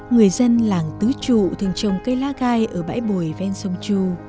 người dân làng tứ trụ thường trồng cây lá gai ở bãi bồi ven sông chu